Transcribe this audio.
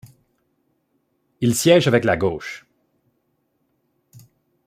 Il siège avec la gauche.